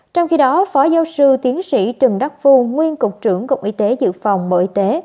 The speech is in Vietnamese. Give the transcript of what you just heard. trong khi đó phó giáo sư tiến sĩ trần đắc phu nguyên cục trưởng cục y tế dự phòng bộ y tế